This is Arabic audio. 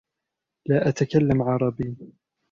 لا اتكلم عربي.